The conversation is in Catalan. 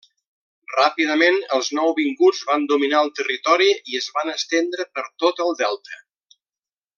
Ràpidament els nouvinguts van dominar el territori i es van estendre per tot el delta.